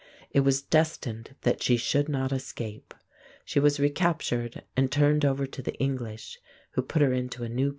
It was destined that she should not escape. She was recaptured and turned over to the English, who put her into a new prison.